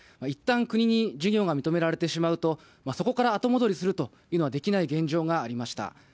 一旦、国に事業が認められてしまうと、そこから後戻りすることはできない現状がありました。